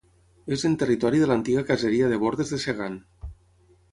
És en territori de l'antiga caseria de bordes de Segan.